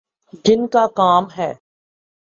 جن کا کام ہے۔